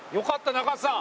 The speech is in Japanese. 中畑さん。